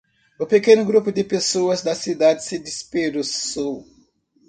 O pequeno grupo de pessoas da cidade se dispersou.